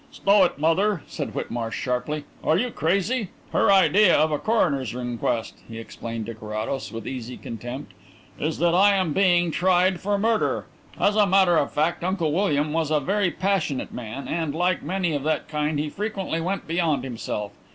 "Stow it, mother!" said Whitmarsh sharply. "Are you crazy? Her idea of a coroner's inquest," he explained to Carrados, with easy contempt, "is that I am being tried for murder. As a matter of fact, Uncle William was a very passionate man, and, like many of that kind, he frequently went beyond himself.